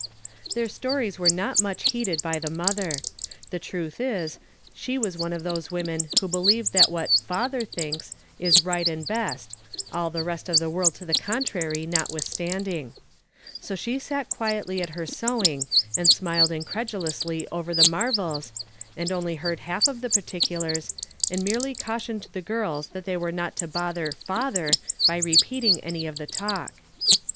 Their stories were not mucli lieeded by the mother. The truth is, slie was one of those women who believe that wliat " father " thinks is rio ht and best, all the rest of the world to the contnarv not. withstanding. So she sat quietly at her sewing and smiled incredulously over tiiP marvol^ and only heard half of the particulai^, and merely 1 00 YESTERDAY FHAMED IN TO DAY. cautioned tlio girls tliat they were not to botlier " fatlior " b}' repeating any of the talk.